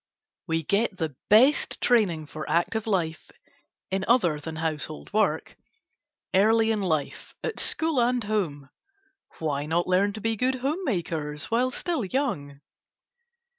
We get the best training for active life, in other than household work, early in life, at school and home. Why not learn to be good home makers while still young?